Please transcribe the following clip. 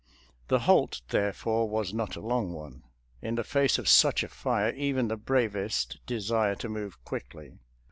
The halt, therefore, was not a long one; in the face of such a fire, even the bravest desire to move quickly.